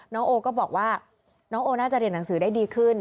น้องโอก็บอกว่าน้องโอน่าจะเรียนหนังสือได้ดีขึ้น